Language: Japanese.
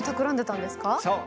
そう。